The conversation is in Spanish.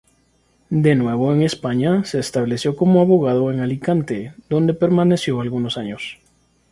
De nuevo en España, se estableció como abogado en Alicante, donde permaneció algunos años.